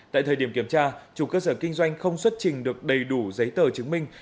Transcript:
tại thời điểm kiểm tra chủ cơ sở kinh doanh không xuất trình được đầy đủ giấy tờ chứng minh